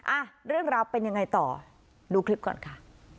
อ่ะเรื่องราวเป็นยังไงต่อดูคลิปก่อนค่ะ